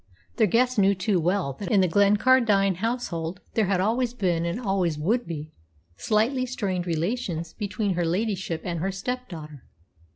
The guests knew too well that in the Glencardine household there had always been, and always would be, slightly strained relations between her ladyship and her stepdaughter.